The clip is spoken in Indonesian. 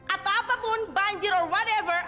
atau apapun banjir or warniver